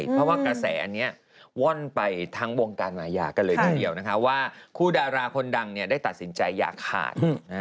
เพราะว่ากระแสอันนี้ว่อนไปทั้งวงการมายากันเลยทีเดียวนะคะว่าคู่ดาราคนดังได้ตัดสินใจอย่าขาด